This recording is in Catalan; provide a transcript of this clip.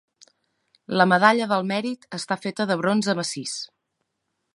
La Medalla del Mèrit està feta de bronze massís.